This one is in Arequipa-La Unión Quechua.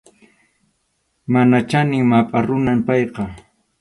Mana chanin mapʼa runam payqa.